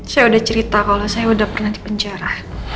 saya udah cerita kalau saya udah pernah di penjara